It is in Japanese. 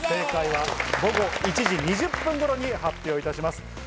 正解は午後１時２０分頃に発表いたします。